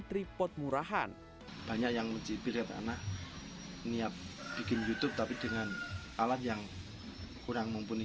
tripod murahan banyak yang menjepit karena niat bikin youtube tapi dengan alat yang kurang mumpuni